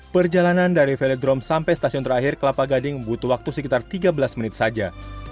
perjalanan dari velodrome sampai stasiun terakhir kelapa gading butuh waktu sekitar tiga belas menit saja